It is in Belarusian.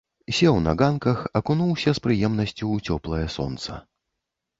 Сеў на ганках, акунуўся з прыемнасцю ў цёплае сонца.